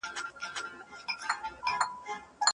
د پلار نوم مو سم ولیکئ.